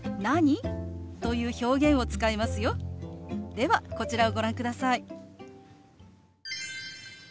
ではこちらをご覧ください。